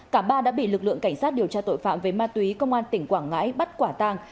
cả ba đã bị lực lượng cảnh sát điều tra tội phạm về ma túy công an tỉnh quảng ngãi bắt quả tàng